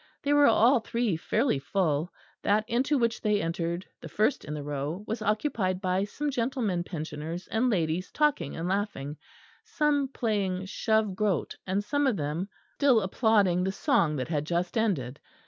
They were all three fairly full; that into which they entered, the first in the row, was occupied by some gentlemen pensioners and ladies talking and laughing; some playing shove groat, and some of them still applauding the song that had just ended.